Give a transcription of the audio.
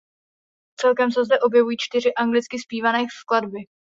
Celkem se zde objevují čtyři anglicky zpívané skladby.